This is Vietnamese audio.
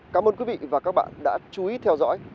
cảm ơn quý vị và các bạn đã chú ý theo dõi